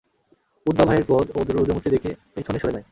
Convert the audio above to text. Utba ভাইয়ের ক্রোধ ও রূদ্রমূর্তি দেখে পেছনে সরে যায়।